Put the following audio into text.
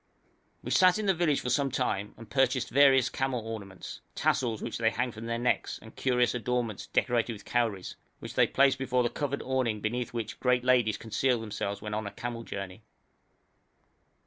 We sat in the village for some time, and purchased various camel ornaments tassels which they hang from their necks, and curious adornments decorated with cowries, which they place before the covered awning beneath which great ladies conceal themselves when on a camel journey.